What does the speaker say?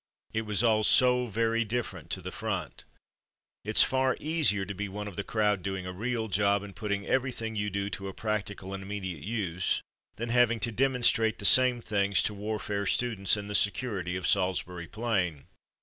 It was all so very different to the front. It's far easier to be one of the crowd doing a real job, and putting everything you do to a practical and immediate use, than having to demon strate the same things to warfare students in the security of Salisbury Plain.